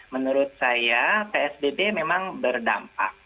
menurut saya psbb memang berdampak